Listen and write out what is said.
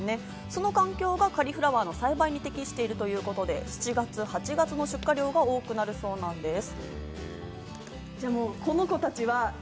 その環境がカリフラワーの栽培に適しているということで７月、８月の出荷量が多くなるそうなんです。